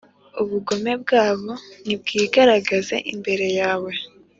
Ubugome bwabo nibwigaragaze imbere yawe,